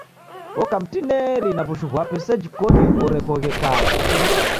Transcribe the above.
Oka mtineri na wushu ghwape seji koni ghorekoghe kala.